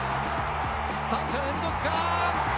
３者連続か！